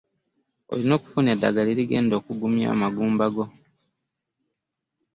Olina okufuna eddagala erigenda okugumya amagumba gwo.